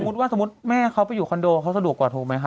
ว่าสมมุติแม่เขาไปอยู่คอนโดเขาสะดวกกว่าถูกไหมคะ